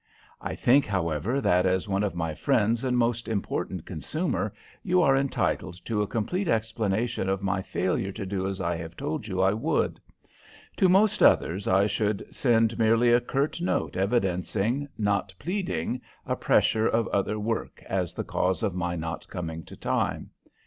I think, however, that, as one of my friends and most important consumer, you are entitled to a complete explanation of my failure to do as I have told you I would. To most others I should send merely a curt note evidencing, not pleading, a pressure of other work as the cause of my not coming to time.